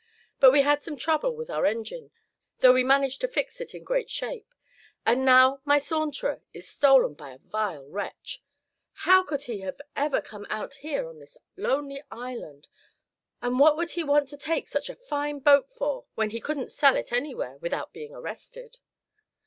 But we had some trouble with our engine, though we managed to fix it in great shape. And now my Saunterer is stolen by a vile wretch. How could he have ever come out here on this lonely island; and what would he want to take such a fine boat for, when he couldn't sell it anywhere, without being arrested?"